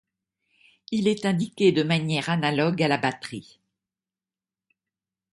Il est indiqué de manière analogue à la batterie.